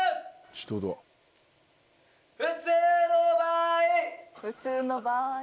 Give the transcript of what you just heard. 普通の場合！